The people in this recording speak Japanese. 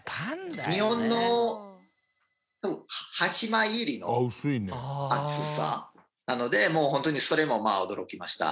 日本の多分８枚切りの厚さなのでもうホントにそれも驚きました。